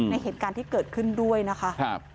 เหตุการณ์ที่เกิดขึ้นด้วยนะคะ